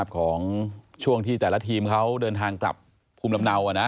ของช่วงที่แต่ละทีมเขาเดินทางกลับภูมิลำเนา